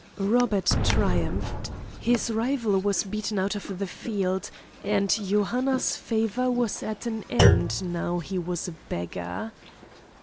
Robert triumphed. His rival was beaten out of the field, and Johanna's favour was at an end, now he was a beggar.